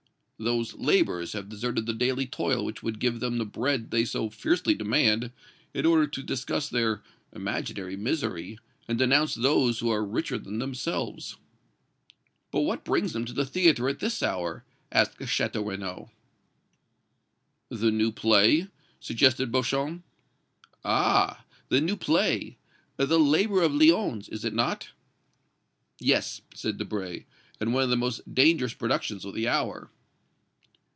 "Those laborers have deserted the daily toil which would give them the bread they so fiercely demand, in order to discuss their imaginary misery, and denounce those who are richer than themselves." "But what brings them to the theatre at this hour?" asked Château Renaud. "The new play," suggested Beauchamp. "Ah! the new play. 'The Laborer of Lyons,' is it not?" "Yes," said Debray, "and one of the most dangerous productions of the hour."